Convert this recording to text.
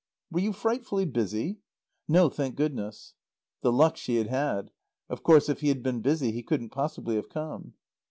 "Were you frightfully busy?" "No, thank goodness." The luck she had had! Of course, if he had been busy he couldn't possibly have come.